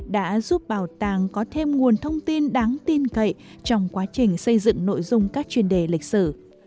đã giúp bảo tàng có thêm nguồn thông tin đáng tin cậy trong quá trình xây dựng nội dung các chuyên đề lịch sử